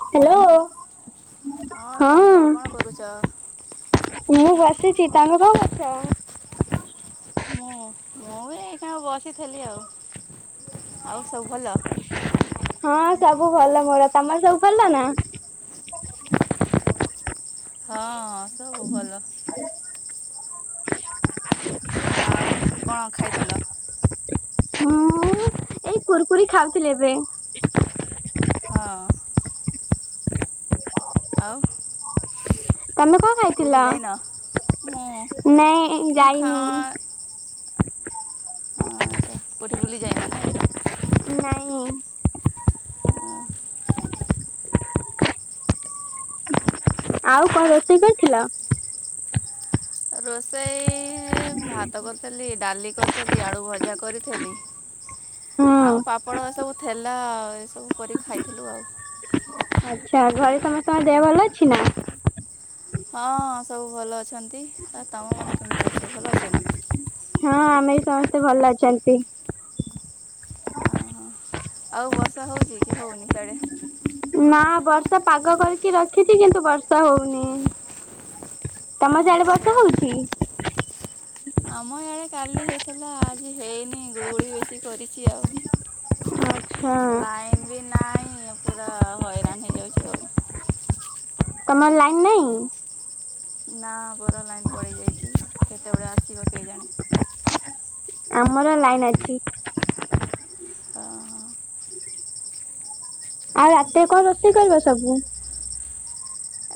Hello hello ସାଙ୍ଗ ହଁ। କଣ କରୁଛ? ମୁଁ ବସିଛି ତମେ କଣ କରୁଚ। ମୁଁ, ମୁଁ ବି ଏଇକ୍ଷଣି ବସିଥେଲି ଆଉ, ଆଉ ସବୁ ଭଲ। ହଁ ସବୁ ଭଲ ମୋର ତମର ସବୁ ଭଲ ନାଁ। ହଁ ସବୁ ଭଲ। ଆଉ କ'ଣ ଖାଇଥେଲ। ହୁଁ ଏଇ କୁୁରକୁରି ଖାଉଥିଲି ଏବେ। ହଁ। ଆଉ। ତମେ କ'ଣ କୋଉଠି ଖାଇଥିଲ ଯାଇନ? ମୁଁ ନାଇଁ ମୁଁ ଖା ଯାଇନି। ହଁ ଆଚ୍ଛା କୋଠି ବୁଲି ଯାଇନ ନାଇଁ। ନାଇଁ। ଆଉ କ'ଣ ରୋଷେଇ କରିଥିଲ। ରୋଷେଇ। ଏ ଭାତ କରିଦେଲି ଡାଲି କରିଦେଲି ଆଳୁ ଭଜା କରିଥେଲି। ହଁ। ଆଉ ପାମ୍ପଡ଼ ଏ ସବୁ ଥେଲା ଏସବୁ କରିକି ଖାଇଥିଲୁ ଆଉ। ଆଚ୍ଛା ଘରେ ସମସ୍ତ ଙ୍କ ଦେହ ଭଲ ଅଛି ନାଁ। ହଁ ସବୁ ଭଲ ଅଛନ୍ତି ଆଉ ତମ ମାନେ କେମିତି ଅଛ ଭଲ ଅଛ ନାଁ। ହଁ ଆମେ ବି ସମସ୍ତେ ଭଲ ଅଛନ୍ତି। ଓହୋ ଆଉ ବର୍ଷା ହଉଛି କି ହଉନି ସିଆଡେ। ନା ବର୍ଷା ପାଗ କରିକି ରଖିଛି କିନ୍ତୁ ବର୍ଷା ହଉନି। ତମ ସିଆଡେ ବର୍ଷା ଆଚ୍ଛା ହଉଛି। ଆମ ହି ଆଡେ କାଲି ହେଇଥିଲା ଆଜି ହେଇନି ଗୁଳୁଗୁଳି ବେଶୀ କରିଛି ଆଉ। ଆଚ୍ଛା ଲାଇନି ବି ନାହିଁ ପୁରା ହଇରାଣ ହେଇଯାଉଛୁ ଆଉ। ତମର ଲାଇନି ନାଇଁ। ନା ଆମର ଲାଇନ୍ ପଳେଇ ଯାଇଛି କେତେବେଳେ ଆସିବ କେଜାଣି। ଆମର ଲାଇନ୍ ଅଛି। ହଁ ହଁ। ଆଉ ରାତିରେ କ'ଣ ରୋଷେଇ କରିବ ସବୁ।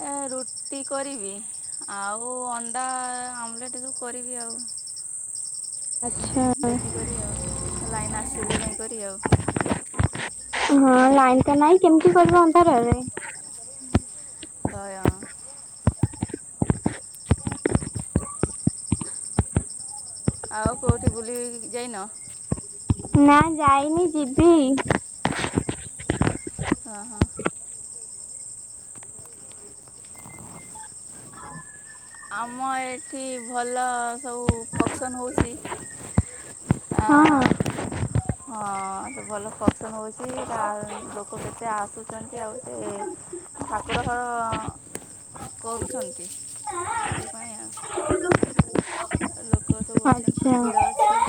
ଏ ରୁଟି କରିବି। ଆଉ ଅଣ୍ଡା ଆମଲେଟ୍ ଯୋଉ କରିବି ଆଉ। ଆଜ୍ଞା। ଦେଖିକରି ଆଉ ଲାଇନ୍ ଆସିଲେ ଯାଇକରି ଆଉ। ହଁ ଲାଇନ୍ ତ ନାଇଁ କେମିତି କରିବ ଅନ୍ଧାରରେ। ଅ ୟ। ଆଉ କେଉଁଠି ବୁଲି ଯାଇନ ନା ଯାଇନି ଯିବି ହଁ ହଁ ଆମ ଏଠି ଭଲ ସବୁ ଫଙ୍କସନ୍ ହେଉଛି ଆ ହଁ। ହଁ ଭଲ ଫସଲ ହଉଛି ଲୋକ କେତେ ଆସୁଛନ୍ତି ଏ ଆ ଗ ସେ ଠାକୁର ହଳ କରୁଛନ୍ତି। ସେଥିପାଇଁ ଲୋକ ସବୁ ଅଛନ୍ତି ଆଚ୍ଛା ଭିଡ ଅଛି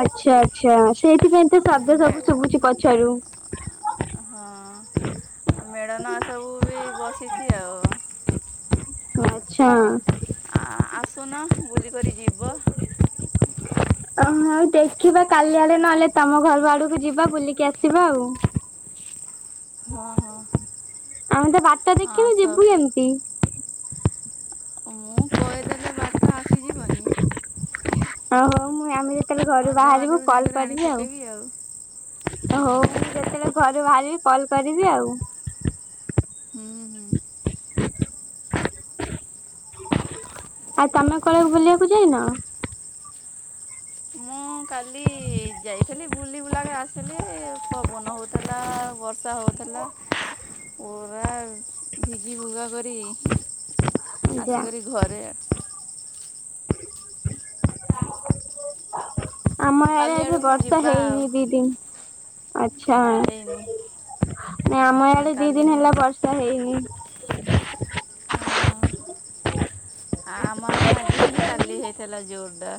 ଆଚ୍ଛା ଆଚ୍ଛା ସେଇଥିପାଇଁ ଏ ତ ଶବ୍ଦ ମେ ସବୁ ଶୁଭୁଛି ପଛରୁ ହଁ ମେଡ଼ନା ସବୁ ବି ବସିଛି ଆଉ ଆଛା ଆ ଆସୁନ ବୁଲିକରି ଯିବ ଓ ଆଉ ଦେଖିବା କାଲି ଆଡେ ନହେଲେ ତମ ଘର ଆଡକୁ ଯିବା ବୁଲିକି ଆସିବା ଆଉ ହଁ ହଁ ଆମେ ତ ବାଟ ଦେଖିନୁ ଆସ ଯିବୁ ଏମିତି ହ କହିଦେଲେ ବାରଟା ଆସିଯିବନି ଓହୋ ମୁଁ ଆମେ ତାହଲେ ଘରୁ ଅଧା ବାହାରିବୁ ବାଟରୁ କଲ୍ ଯାଇକରି ଆଣି କରିବି ଆଉ ପକେଇବି ହଁ ହଉ ଯେତେବେଳେ ଘରୁ ବାହାରିବି କଲ୍ କରିବି ଆଉ ହୁଁ ହୁଁ ଆଉ ତମେ କଳାକୁ ବୁଲିବାକୁ ଯାଇନ? ମୁଁ କାଲି ଯାଇଥିଲି ବୁଲି ବୁଲିକି ଆସିଲି। ପବନ ହେଉଥିଲା ବର୍ଷା ହେଉଥିଲା। ପରା ଭିଗି ଫଗା କରି ଯା ଆସିକରି ଘରେ ଆମ କାଲି ଏବେ ଆଡ଼କୁ ବର୍ଷା ଯିବା ଆଉ ହେଇନି ଦିଦିନ ଆଛା ସେଇନି ଆମ ଇଡେ ଦି ଦିନ ହେ ହେଲା ବର୍ଷା ହେଇନି ଓହୋ। ଆମ ଆଜି ହେଇନି କାଲି ହେଇଥିଲା ଜୋରଡା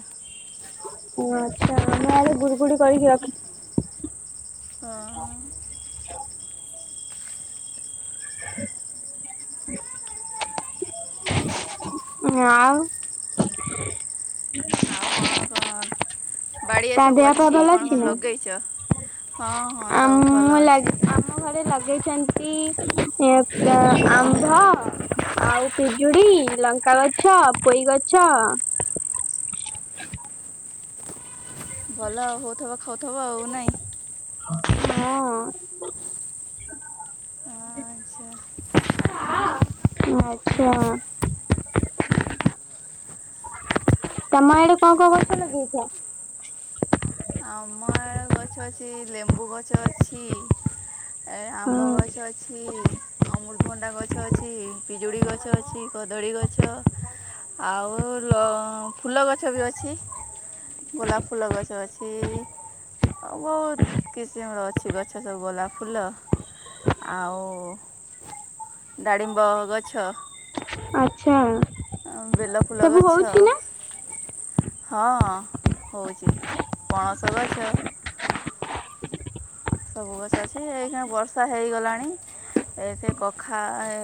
ଓ ଆଚ୍ଛା ଆମେ ଆଡ ବୁଡଗୁଡି କରିକି ରଖ ହଁ ହ ଆଉ ଆଉ କଣ କଣ? ବାଡିରେ ତା ସବୁ ଦେହ ପା ଅଛି ଭଲ କଣ କଣ ନା? ଲଗେଇଛ? ହଁ ହଁ ସବୁ ଆମ ଭଲ ଲାଗ ଅଛି। ଆମ ଘରେ ଲଗେଇଛନ୍ତି ଆମ୍ଧ ଆଉ ପିଜୁଡ଼ି ଲଙ୍କା ଗଛ ପୋଇ ଗଛ ଭଲ ଆ ହଉଥିବ ଖାଉଥିବ ଆଉ ନାଇଁ ହଁ ଆଚ୍ଛା ଆଛା ତମ ଆଡେ କଣ କଣ ଗଛ ଲଗେଇଛ? ଅମଳ ଗଛ ଅଛି ଲେମ୍ବୁ ଗଛ ଅଛି ଅ ଏ ଆମ୍ବ ହଁ ଗଛ ଅଛି ଅମୁଲଭଣ୍ଡା ଗଛ ଅଛି ପିଜୁଳି ଗଛ ଅଛି କଦଳୀ ଗଛ ଆଉ ଫୁଲ ଗଛ ବି ଅଛି। ଗୋଲାପ ଫୁଲ ଗଛ ଅଛି। ଆ ବହୁତ କିସିମର ଅଛି ଗଛ ସବ ଗୋଲାପ ଫୁଲ ଆଉ ଡାଳିମ୍ବ ଗଛ। ଆଚ୍ଛା। ବେଲ ଫୁଲ ସବୁ ଗଛ। ହଉଛି ନା ହଁ ହଉଛି ପଣସ ଗଛ। ସବୁ ଗଛ ଅଛି, ଏଇକ୍ଷିଣା ବର୍ଷା ହେଇଗଲାଣି, ଏଠି କଖା